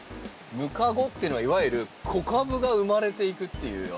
ムカゴっていうのはいわゆる子株が生まれていくっていうような。